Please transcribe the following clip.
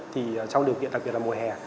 thì trong điều kiện đặc biệt là mùa hè